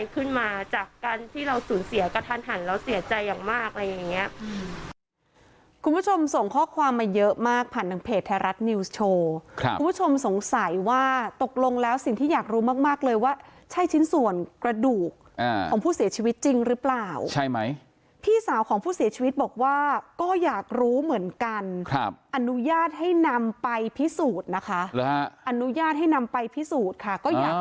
คุณผู้ชมส่งข้อความมาเยอะมากผ่านทางเพจไทยรัฐนิวส์โชว์ครับคุณผู้ชมสงสัยว่าตกลงแล้วสิ่งที่อยากรู้มากมากเลยว่าใช่ชิ้นส่วนกระดูกของผู้เสียชีวิตจริงหรือเปล่าใช่ไหมพี่สาวของผู้เสียชีวิตบอกว่าก็อยากรู้เหมือนกันครับอนุญาตให้นำไปพิสูจน์นะคะอนุญาตให้นำไปพิสูจน์ค่ะก็อยาก